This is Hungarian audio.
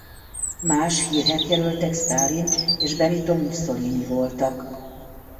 Más hírhedt jelöltek Sztálin és Benito Mussolini voltak.